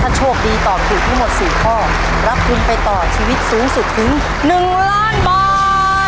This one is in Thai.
ถ้าโชคดีตอบถูกทั้งหมด๔ข้อรับทุนไปต่อชีวิตสูงสุดถึง๑ล้านบาท